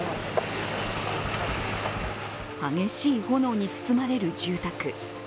激しい炎に包まれる住宅。